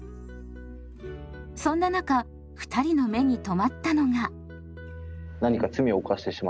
そんな中２人の目に留まったのが。